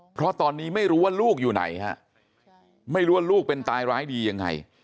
เพราะตอนนี้ไม่รู้ว่าลูกอยู่ไหนฮะไม่รู้ว่าลูกเป็นตายร้ายดียังไง